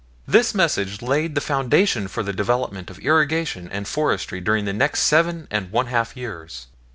This message laid the foundation for the development of irrigation and forestry during the next seven and one half years.